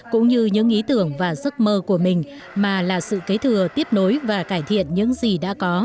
cũng như những ý tưởng và giấc mơ của mình mà là sự kế thừa tiếp nối và cải thiện những gì đã có